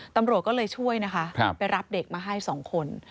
ตำรวจก็เลยช่วยนะคะไปรับเด็กมาให้๒คน